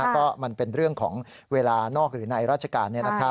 ก็มันเป็นเรื่องของเวลานอกหรือในราชการ